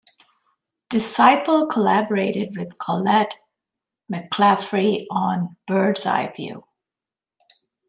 Disciple collaborated with Collette Mclaffery on "Birdseye View".